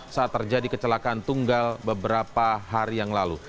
saat terjadi kecelakaan tunggal beberapa hari yang lalu